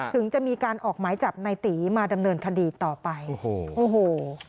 ถึงจะมีการออกหมายจับในตีมาดำเนินคดีต่อไปโอ้โหโอ้โห